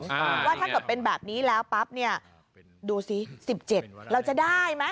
ว่าถ้าเกิดเป็นแบบนี้แล้วปั๊บเนี่ยดูสิ๑๗เราจะได้ไหม